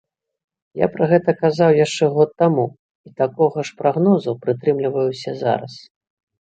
Я пра гэта казаў яшчэ год таму, і такога ж прагнозу прытрымліваюся зараз.